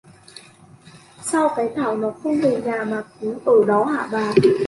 Sao Cái Thảo nó không về nhà mà cứ ở đó hả bà